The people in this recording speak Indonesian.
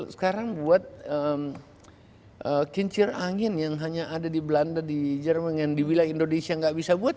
sekarang buat kincir angin yang hanya ada di belanda di jerman yang di wilayah indonesia nggak bisa buat